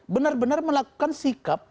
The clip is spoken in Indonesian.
benar benar melakukan sikap